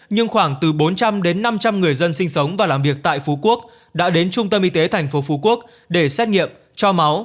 nhưng khoảng từ bốn trăm linh đến năm trăm linh người dân sinh sống và làm việc tại phú quốc đã đến trung tâm y tế thành phố phú quốc để xét nghiệm cho máu